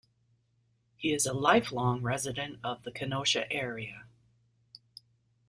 He is a lifelong resident of the Kenosha area.